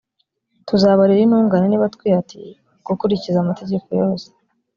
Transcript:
tuzaba rero intungane niba twihatiye gukurikiza mategeko yose